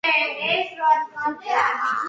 ჩრდილოეთით და სამხრეთით თითო სწორკუთხა ნიშაა.